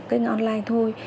kênh online thôi